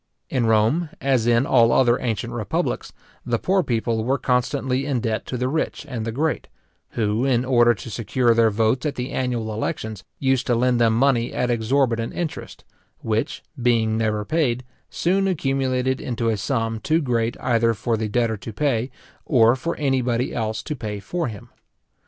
In Rome, as in all other ancient republics, the poor people were constantly in debt to the rich and the great, who, in order to secure their votes at the annual elections, used to lend them money at exorbitant interest, which, being never paid, soon accumulated into a sum too great either for the debtor to pay, or for any body else to pay for him.